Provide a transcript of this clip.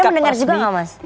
kita mendengar juga nggak mas